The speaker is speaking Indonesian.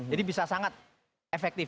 jadi bisa sangat efektif